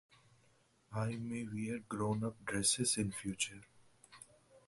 I may wear grown-up dresses in future.